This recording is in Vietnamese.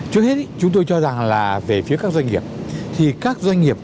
trước hết chúng tôi cho rằng là về phía các doanh nghiệp thì các doanh nghiệp